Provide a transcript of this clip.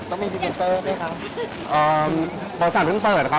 ต้องมีพิมพ์เปิดไหมครับ